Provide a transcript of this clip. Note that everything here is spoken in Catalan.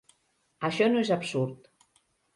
Això no és absurd.